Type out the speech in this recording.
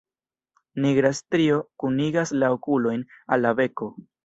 Nigra strio kunigas la okulojn al la beko.